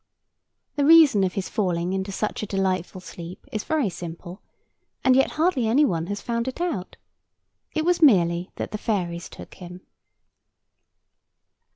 The reason of his falling into such a delightful sleep is very simple; and yet hardly any one has found it out. It was merely that the fairies took him.